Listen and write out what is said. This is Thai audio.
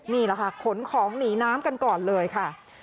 นี่แหละค่ะขนของหนีน้ำกันก่อนเลยค่ะ